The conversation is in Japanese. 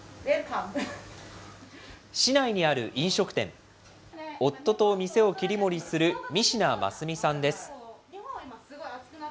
市内にある飲食店、夫と店を切り盛りする三科真澄さんです。